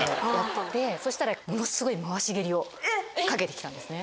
そしたらものすごい回し蹴りをかけて来たんですね。